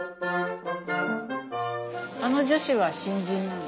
あの女子は新人なの？